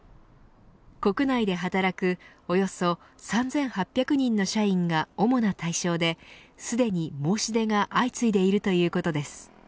国内で働く、およそ３８００人の社員が主な対象ですでに申し出が相次いでいるということです。